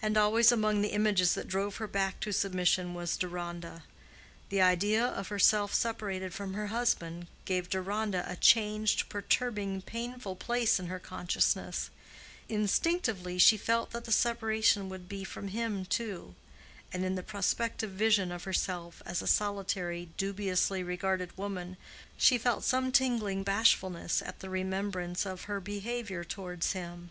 And always among the images that drove her back to submission was Deronda. The idea of herself separated from her husband, gave Deronda a changed, perturbing, painful place in her consciousness: instinctively she felt that the separation would be from him too, and in the prospective vision of herself as a solitary, dubiously regarded woman, she felt some tingling bashfulness at the remembrance of her behavior towards him.